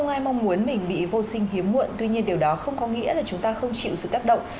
không ai mong muốn mình bị vô sinh hiếm muộn tuy nhiên điều đó không có nghĩa là chúng ta không chịu sự tác động